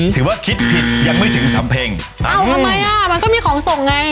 ทำไมมันก็มีของส่งไง